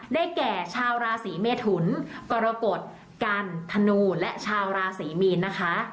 แก่ชาวราศีเมทุนกรกฎกันธนูและชาวราศรีมีนนะคะ